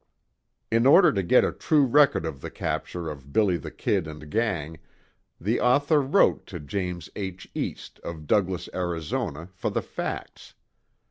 In order to get a true record of the capture of "Billy the Kid" and gang, the author wrote to James H. East, of Douglas, Arizona, for the facts.